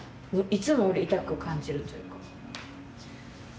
いつもより痛く感じるというか。